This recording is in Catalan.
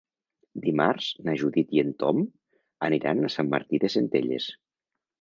Dimarts na Judit i en Tom aniran a Sant Martí de Centelles.